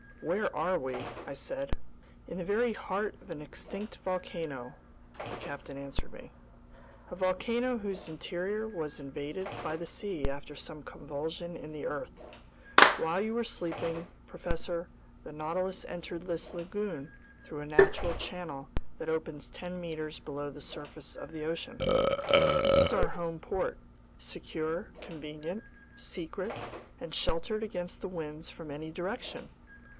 "Where are we?" I said. "In the very heart of an extinct volcano," the captain answered me, "a volcano whose interior was invaded by the sea after some convulsion in the earth. While you were sleeping, professor, the Nautilus entered this lagoon through a natural channel that opens ten meters below the surface of the ocean. This is our home port, secure, convenient, secret, and sheltered against winds from any direction!